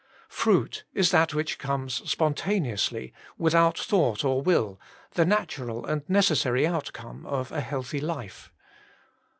Fruit is that which comes spontaneously, without thought or will, the natural and necessary outcome of a healthy life.